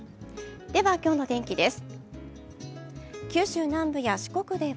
では今日の天気です。